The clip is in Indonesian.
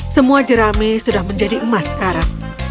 semua jerami sudah menjadi emas sekarang